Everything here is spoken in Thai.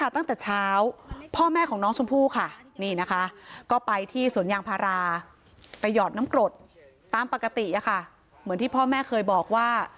ตามปกติอะค่ะเหมือนที่พ่อแม่เคยบอกว่า